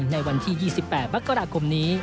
ในวันที่๒๘มกราคมนี้